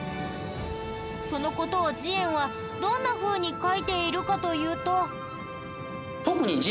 その事を慈円はどんなふうに書いているかというと。